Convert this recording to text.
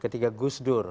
ketika gus dur